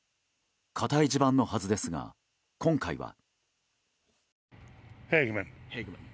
固い地盤のはずですが今回は。